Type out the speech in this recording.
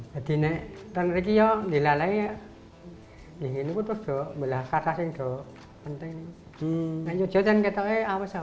bambang bu bewus